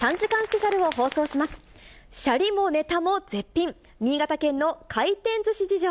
シャリもネタも絶品、新潟県の回転ずし事情。